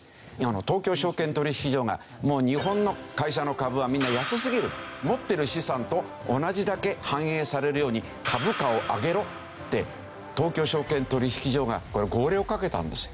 東京証券取引所が「日本の会社の株はみんな安すぎる」「持ってる資産と同じだけ反映されるように株価を上げろ」って東京証券取引所が号令をかけたんですよ。